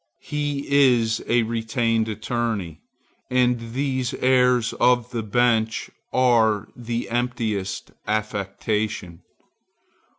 He is a retained attorney, and these airs of the bench are the emptiest affectation.